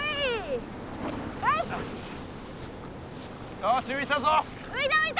よしういたぞ。